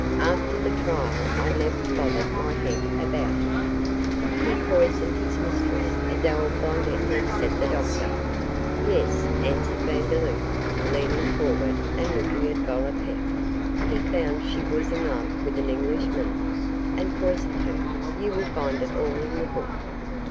'After the trial I never bothered my head about him.' 'He poisoned his mistress, Adele Blondet,' said the doctor. 'Yes,' answered Vandeloup, leaning forward and looking at Gollipeck, 'he found she was in love with an Englishman, and poisoned her you will find it all in the book.